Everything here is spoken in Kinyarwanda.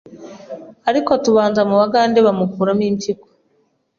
ariko tubanza mu bugande bamukuramo impyiko